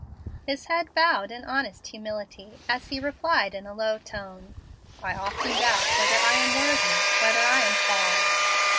His head bowed in honest humility, as he replied, in a low tone, "I often doubt whether I am worthy, whether I am called."